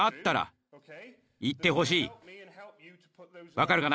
分かるかな？